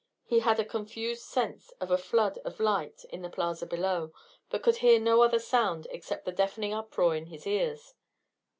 He had a confused sense of a flood of light in the plaza below, but could hear no other sound except the deafening uproar in his ears.